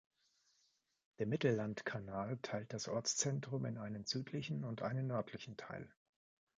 Der Mittellandkanal teilt das Ortszentrum in einen südlichen und einen nördlichen Teil.